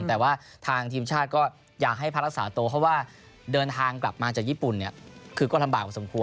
แต่ว่าทางทีมชาติก็อยากให้พักรักษาตัวเพราะว่าเดินทางกลับมาจากญี่ปุ่นเนี่ยคือก็ลำบากกว่าสมคว